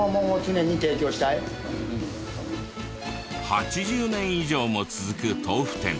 ８０年以上も続く豆腐店。